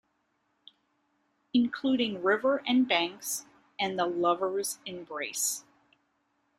Including River and Banks, and The Lovers Embrace.